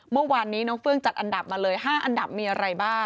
เมื่อวานนี้น้องเฟื้องจัดอันดับมาเลย๕อันดับมีอะไรบ้าง